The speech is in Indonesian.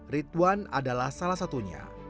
rituan adalah salah satunya